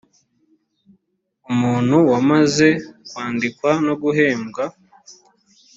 umuntu wamaze kwandikwa no guhabwa